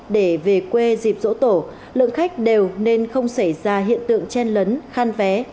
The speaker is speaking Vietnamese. để về quê dịp dỗ tổ lượng khách đều nên không xảy ra hiện tượng chen lấn khan vé